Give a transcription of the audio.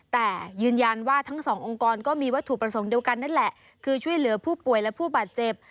แต่ยืนยันว่าทั้งสององค์กรก็มีวัตถุประสงค์เดียวกันนั่นแหละคือช่วยเหลือผู้ป่วยและผู้บาดเจ็บ